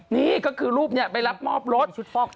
นี่ก็คือรูปนี้ไปรับมอบรถ